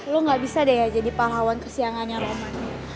lo gak bisa deh ya jadi pahlawan kesiangannya roman